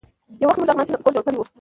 یو وخت موږ لغمان کې نوی کور جوړ کړی و.